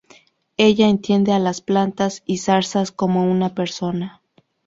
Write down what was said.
Ella entiende a las plantas y zarzas como una persona.